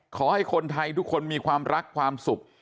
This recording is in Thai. ขอให้คนไทยทุกคนมีความรักความสุข